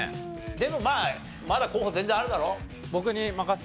でもまあまだ候補全然あるだろ？